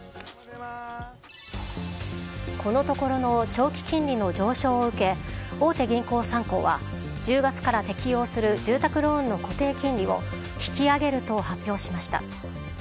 このところの長期金利の上昇を受け大手銀行３行は１０月から適用する住宅ローンの固定金利を引き上げると発表しました。